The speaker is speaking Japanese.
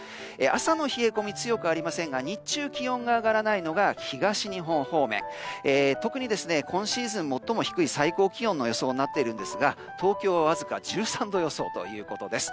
朝の冷え込みは強くありませんが日中、気温が上がらないのが東日本方面特に今シーズン最も低い最高気温の予想となっているのですが東京はわずか１３度予想ということです。